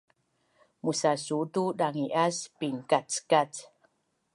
musasu tu dangi’as pinkackac